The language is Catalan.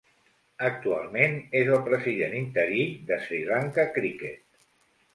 Actualment és el president interí de Sri Lanka Cricket.